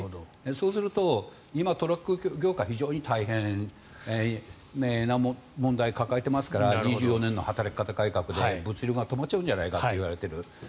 そうすると今、トラック業界非常に大変な問題を抱えていますから２４年の働き方改革で物流が止まっちゃうんじゃないかといわれている。